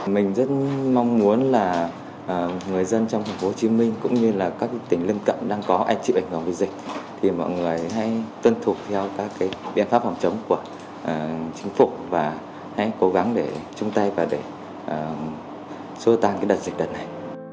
mình rất mong muốn là người dân trong tp hcm cũng như là các tỉnh lân cận đang có ai chịu ảnh hưởng với dịch thì mọi người hãy tuân thục theo các cái biện pháp phòng chống của chính phủ và hãy cố gắng để chung tay và để sôi tan cái đợt dịch đợt này